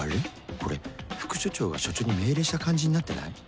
これ副署長が署長に命令した感じになってない？